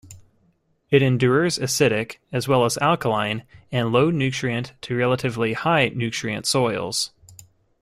It endures acidic as well as alkaline and low-nutrient to relatively high-nutrient soils.